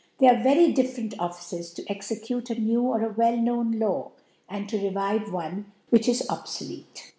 They are very different Of fices to execute anew or a well known La^j and to revive one which is obfolcte.